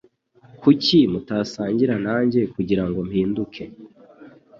Kuki mutasangira nanjye kugirango mpinduke